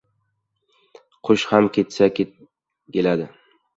Qush ham ketsa keladi